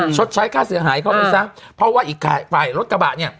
ชดใช้ค่าเสียหายเข้าไปซะเพราะว่าอีกฝ่ายฝ่ายรถกระบะเนี่ย